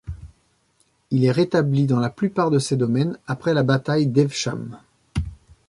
Il est rétabli dans la plupart de ses domaines après la bataille d'Evesham.